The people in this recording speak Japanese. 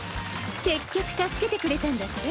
結局助けてくれたんだって？